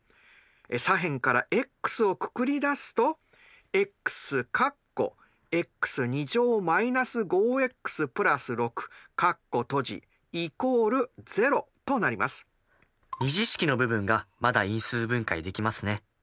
左辺からｘをくくりだすと２次式の部分がまだ因数分解できますね。